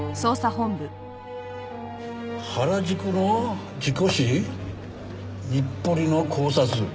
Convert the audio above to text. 原宿の事故死日暮里の絞殺